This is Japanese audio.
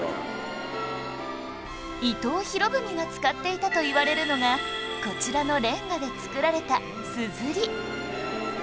伊藤博文が使っていたといわれるのがこちらのレンガで作られたすずり